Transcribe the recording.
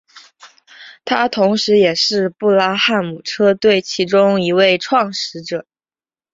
他同时也是布拉汉姆车队其中一位创始者。